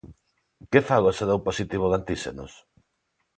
Que fago se dou positivo en antíxenos?